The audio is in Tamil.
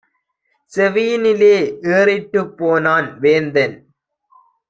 செவியினிலே ஏறிற்றுப் போனான் வேந்தன்!